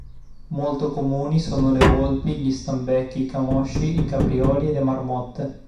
Molto comuni sono le volpi, gli stambecchi, i camosci, i caprioli e le marmotte.